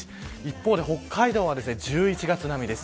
一方で、北海道は１１月並みです。